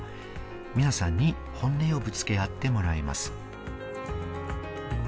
皆さんに本音をぶつけ合ってもらいます。